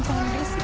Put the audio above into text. shh jangan bersik